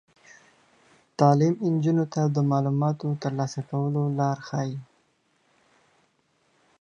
تعلیم نجونو ته د معلوماتو د ترلاسه کولو لار ښيي.